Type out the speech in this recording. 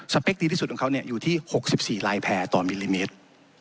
เปคดีที่สุดของเขาอยู่ที่๖๔ลายแผลต่อมิลลิเมตร